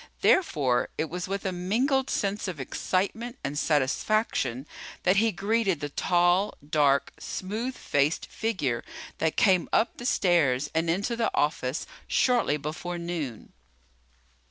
Therefore, it was with a mingled sense of excitement and satisfaction that he greeted the tall, dark, smooth faced figure that came up the stairs and into the office shortly before noon.